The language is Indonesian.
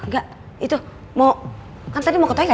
gak itu mau kan tadi mau ke toilet ya